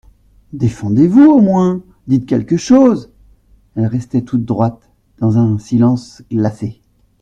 Défendez-vous, au moins !… Dites quelque chose ! Elle restait toute droite, dans un silence glacé.